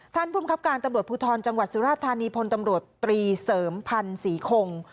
ภูมิครับการตำรวจภูทรจังหวัดสุราธานีพลตำรวจตรีเสริมพันธ์ศรีคง